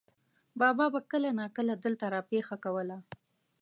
بابا به کله ناکله دلته را پېښه کوله.